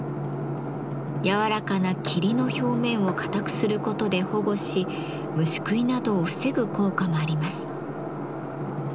軟らかな桐の表面を硬くすることで保護し虫食いなどを防ぐ効果もあります。